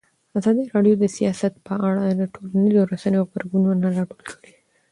ازادي راډیو د سیاست په اړه د ټولنیزو رسنیو غبرګونونه راټول کړي.